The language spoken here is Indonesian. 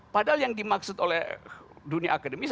padahal yang dimaksud oleh dunia akademis